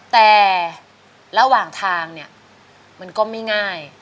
แต่ระหว่างทางเนี่ยมันก็ไม่ง่าย